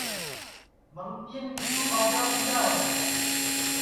منگتِئین مِسکُو باجا دِؔیا ہے